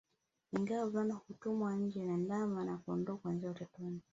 Ingawa wavulana hutumwa nje na ndama na kondoo kuanzia utotoni